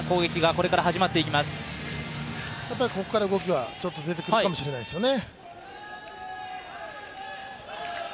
ここから動きはちょっと出てくるかもしれないですね。